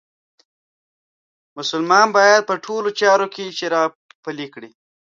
مسلمان باید په ټولو چارو کې شرعه پلې کړي.